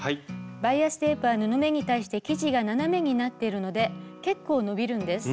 バイアステープは布目に対して生地が斜めになっているので結構伸びるんです。